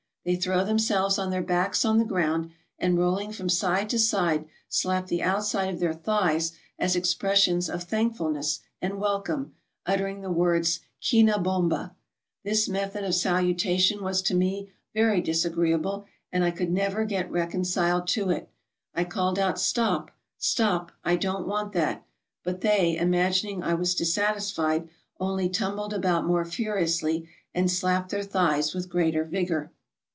They throw themselves on their backs on the ground, and rolling from side to side, slap the outside of their thighs as expressions of thankful ness and welcome, uttering the words " Kina bomba. " This method of salutation was to me very disagreeable, and I never could get reconciled to it. I called out, "Stop, stop ; I don't want that ;" but they, imagining I was dis satisfied, only tumbled about more furiously, and slapped their thighs with greater vigor.